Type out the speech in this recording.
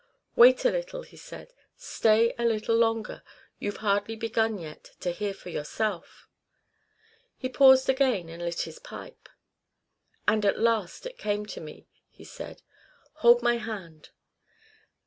'Wait a little,' he said, 'Stay a little longer. You've hardly begun yet to hear for yourself.'" He paused again and lit his pipe. "And at last it came to me," he said. "Hold my hand."